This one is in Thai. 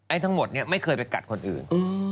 ทั้งหมดเนี่ยไม่เคยไปกัดคนอื่น